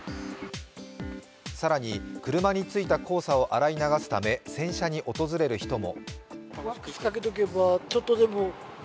更に車についた黄砂を洗い流すため洗車に訪れる人も。